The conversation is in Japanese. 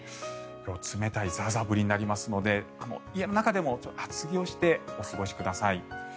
今日は冷たいザーザー降りになりますので家の中でも厚着をしてお過ごしください。